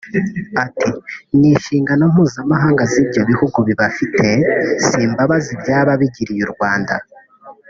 ati “Ni inshingano mpuzamahanga z’ibyo bihugu bibafite si imbabazi byaba bigiriye u Rwanda”